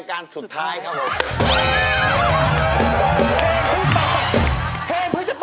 ๕๐๐กว่าร้านครับ